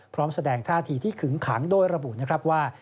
พร้อมแสดงท่าที่ที่ขึ้นขังโดยระบุว่า